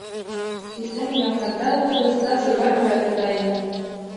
Иртән уянғанда ултырғыста сыбар һүрәт ята ине.